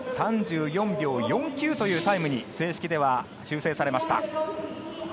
３４秒４９というタイムに正式では修正されました。